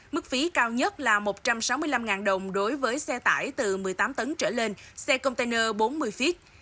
mức phí cao nhất là một trăm sáu mươi năm đồng đối với xe tải từ một mươi tám tấn trở lên xe container bốn mươi feet